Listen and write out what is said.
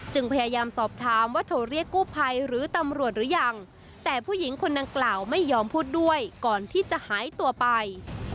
พยายามสอบถามว่าโทรเรียกกู้ภัยหรือตำรวจหรือยังแต่ผู้หญิงคนดังกล่าวไม่ยอมพูดด้วยก่อนที่จะหายตัวไป